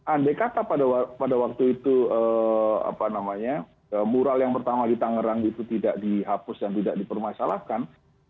andai kata pada waktu itu mural yang pertama di tangerang itu tidak dihapus dan tidak dipermasalahkan